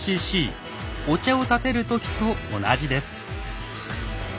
お茶をたてる時と同じです。